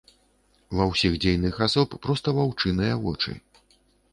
Ва ўсіх дзейных асоб проста ваўчыныя вочы.